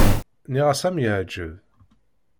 Nniɣ-as ad m-yeɛǧeb.